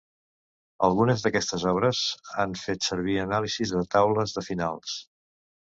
Algunes d'aquestes obres han fet servir anàlisis de taules de finals.